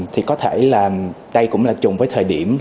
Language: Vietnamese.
thì có thể đây cũng là chung với thời điểm